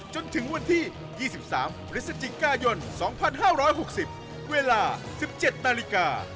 จนถึงวันที่๒๓พฤศจิกายน๒๕๖๐เวลา๑๗นาฬิกา